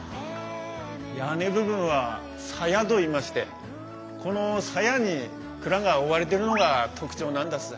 屋根部分は鞘といいましてこの鞘に蔵が覆われてるのが特徴なんだす。